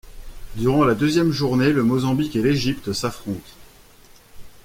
Durant la deuxième journée, le Mozambique et l'Egypte s'affrontent.